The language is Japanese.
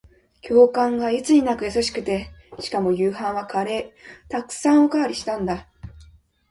教官がいつになく優しくて、しかも夕飯はカレー。沢山おかわりしたんだ。